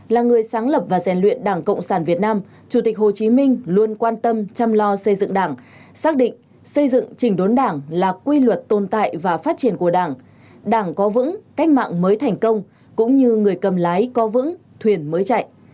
là người sáng lập và rèn luyện đảng cộng sản việt nam chủ tịch hồ chí minh luôn quan tâm chăm lo xây dựng đảng xác định xây dựng trình đốn đảng là quy luật tồn tại và phát triển của đảng đảng có vững cách mạng mới thành công cũng như người cầm lái có vững thuyền mới chạy